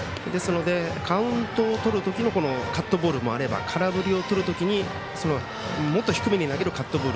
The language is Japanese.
カウントをとる時のカットボールもあれば空振りをとるときにもっと低めに投げるカットボール。